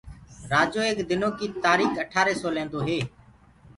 رآجو ايڪ دنو ڪيٚ تآريٚڪ اٺآري سو لينٚدو هي